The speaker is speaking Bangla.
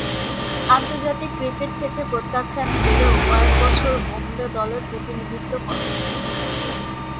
আন্তর্জাতিক ক্রিকেট থেকে প্রত্যাখ্যাত হলেও কয়েক বছর বোম্বে দলের প্রতিনিধিত্ব করেন।